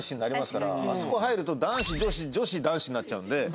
あそこ入ると男子女子女子男子になっちゃうので。